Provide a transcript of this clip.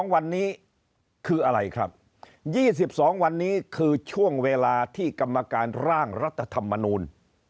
๒วันนี้คืออะไรครับ๒๒วันนี้คือช่วงเวลาที่กรรมการร่างรัฐธรรมนูล